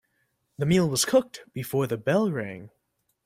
The meal was cooked before the bell rang.